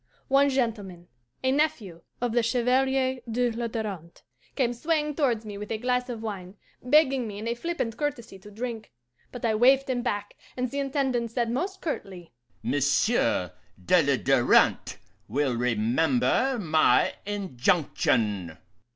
One gentleman, a nephew of the Chevalier de la Darante, came swaying towards me with a glass of wine, begging me in a flippant courtesy to drink; but I waved him back, and the Intendant said most curtly, 'Monsieur de la Darante will remember my injunction.